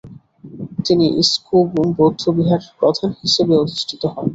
তিনি স্কু-'বুম বৌদ্ধবিহারের প্রধান হিসেবে অধিষ্ঠিত হন।